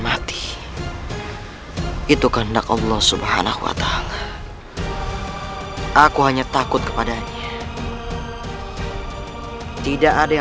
kau tidak perlu menghajar